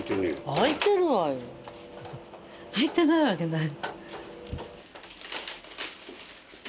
開いてないわけない。